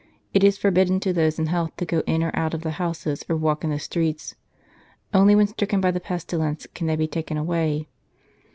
It is for bidden to those in health to go in or out of the houses or walk in the streets ; only when stricken by the pestilence can they be taken away.